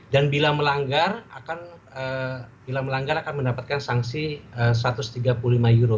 dan bila melanggar akan mendapatkan sanksi satu ratus tiga puluh lima euro